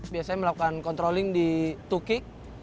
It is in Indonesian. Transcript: biasanya melakukan controlling di tukik